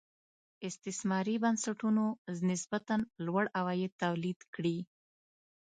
استثماري بنسټونو نسبتا لوړ عواید تولید کړي.